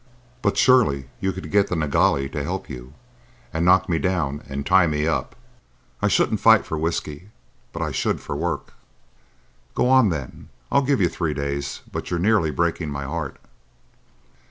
But surely you could get the Nilghai to help you, and knock me down and tie me up. I shouldn't fight for the whiskey, but I should for the work." "Go on, then. I give you three days; but you're nearly breaking my heart."